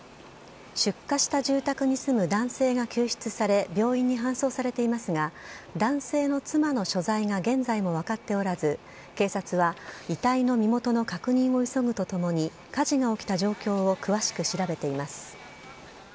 出火した住宅に住む男性が救出され、病院に搬送されていますが、男性の妻の所在が現在も分かっておらず、警察は遺体の身元の確認を急ぐとともに、火事が起きた状況を詳しく調べています。